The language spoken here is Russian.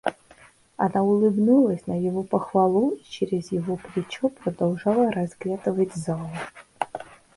Она улыбнулась на его похвалу и через его плечо продолжала разглядывать залу.